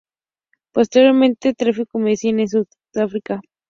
Posteriormente, practicó medicina en Sud África.